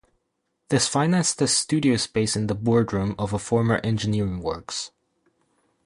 This financed a studio space in the boardroom of a former engineering works.